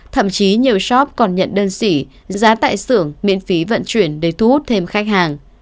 thậm chí nhiều shop còn nhận đơn xỉ giá tại xưởng miễn phí vận chuyển để thu hút thêm khách hàng